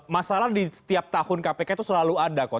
masalah di setiap tahun kpk itu selalu ada kok